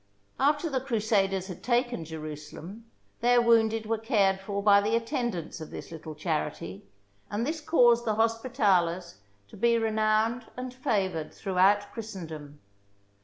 After the Crusaders had taken Jerusalem, their wounded were cared for by the attendants of this little charity, and this caused the THE BOOK OF FAMOUS SIEGES Hospitalers to be renowned and favoured through out Christendom.